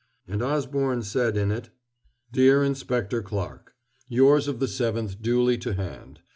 And Osborne said in it: DEAR INSPECTOR CLARKE: Yours of the 7th duly to hand.